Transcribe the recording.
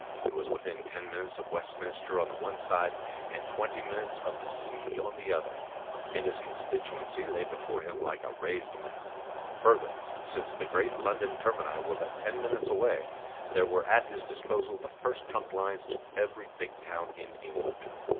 He was within ten minutes of Westminster on the one side, and twenty minutes of the sea on the other, and his constituency lay before him like a raised map. Further, since the great London termini were but ten minutes away, there were at his disposal the First Trunk lines to every big town in England.